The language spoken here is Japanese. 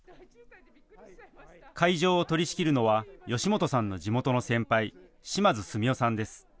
会場を取りしきるのは吉本さんの地元の先輩、嶌津澄夫さんです。